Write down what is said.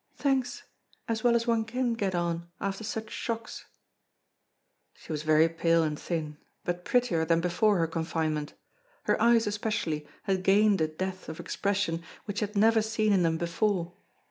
"Thanks. As well as one can get on, after such shocks!" She was very pale and thin, but prettier than before her confinement. Her eyes especially had gained a depth of expression which he had never seen in them before.